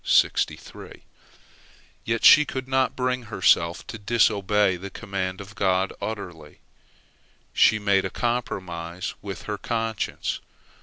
Yet she could not bring herself to disobey the command of God utterly. She made a compromise with her conscience.